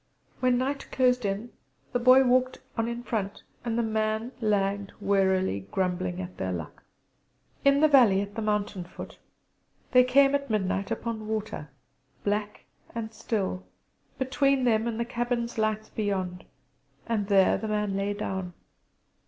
When night closed in the Boy walked on in front, and the man lagged wearily, grumbling at their luck. In the valley at the mountain foot they came at midnight upon water, black and still, between them and the cabin's lights beyond; and there the man lay down.